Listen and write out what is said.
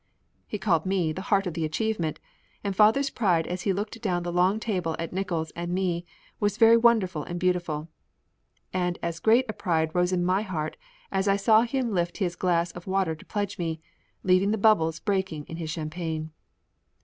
He called me the "Heart of the Achievement," and father's pride as he looked down the long table at Nickols and me was very wonderful and beautiful; and as great a pride rose in my heart as I saw him lift his glass of water to pledge me, leaving the bubbles breaking in his champagne.